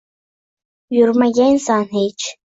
Yurmagaysan hech.